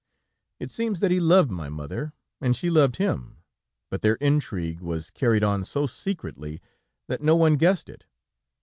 "It seems that he loved my mother, and she loved him, but their intrigue was carried on so secretly, that no one guessed it.